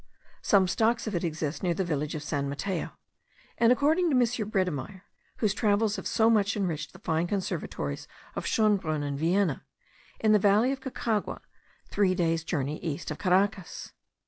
Some stocks of it exist near the village of San Mateo; and, according to M. Bredemeyer, whose travels have so much enriched the fine conservatories of Schonbrunn and Vienna, in the valley of Caucagua, three days journey east of Caracas.